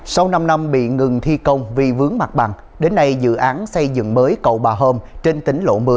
sau năm năm bị ngừng thi công vì vướng mặt bằng đến nay dự án xây dựng mới cậu bà hôm trên tỉnh lộ một mươi